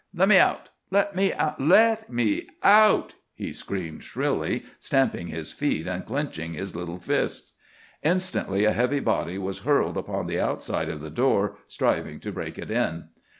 "Let me out! Let me out! Let me out!" he screamed shrilly, stamping his feet and clenching his little fists. Instantly a heavy body was hurled upon the outside of the door, striving to break it in.